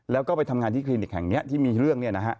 แล้วก็ไปทำงานที่คลินิกแห่งนี้ที่มีเรื่อง